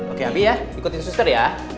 oke abi ya ikutin suster ya